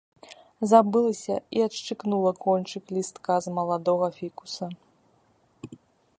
Забылася і адшчыкнула кончык лістка з маладога фікуса.